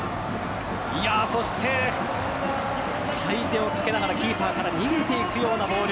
そして回転をかけながらキーパーから逃げていくようなボール。